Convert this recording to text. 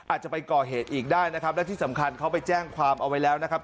อาจจะไปก่อเหตุอีกได้นะครับและที่สำคัญเขาไปแจ้งความเอาไว้แล้วนะครับ